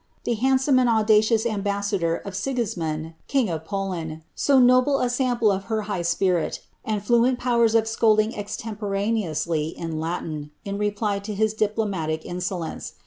the handsome and aui ambassador of Si!,'ismund. king of Poland, «o notable a sample high Bpirii and fluent powers of scolding extcniporaneotistv in L reply to his diplomatic insolence.